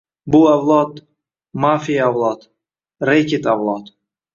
Bu avlod... mafiya avlod, reket avlod.